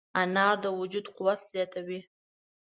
انار د وجود قوت زیاتوي.